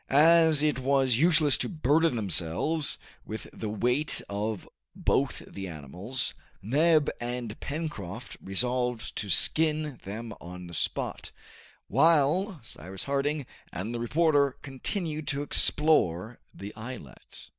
As it was useless to burden themselves with the weight of both the animals, Neb and Pencroft resolved to skin them on the spot, while Cyrus Harding and the reporter continued to explore the islet.